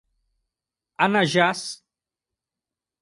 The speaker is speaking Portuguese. Anajás